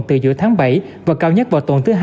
từ giữa tháng bảy và cao nhất vào tuần thứ hai